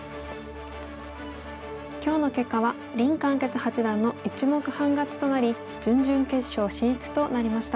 今日の結果は林漢傑八段の１目半勝ちとなり準々決勝進出となりました。